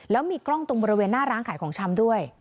แล้วมีกล้องตรงบริเวณหน้าร้านขายของชำด้วย